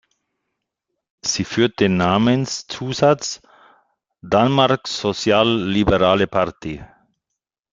Sie führt den Namenszusatz Danmarks social-liberale parti.